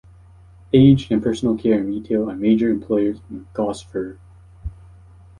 Aged and personal care and retail are major employers in Gosford.